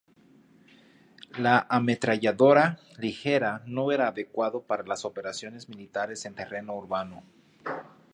La ametralladora ligera no era adecuada para las operaciones militares en terreno urbano.